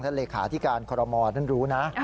ท่านเลขาธิการคอลโลมอนั่นรู้นะ